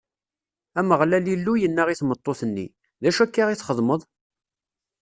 Ameɣlal Illu yenna i tmeṭṭut-nni: D acu akka i txedmeḍ?